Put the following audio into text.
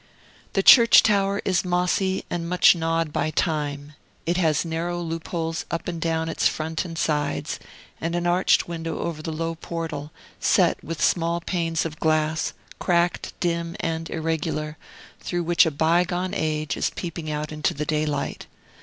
The church tower is mossy and much gnawed by time; it has narrow loopholes up and down its front and sides, and an arched window over the low portal, set with small panes of glass, cracked, dim, and irregular, through which a bygone age is peeping out into the daylight.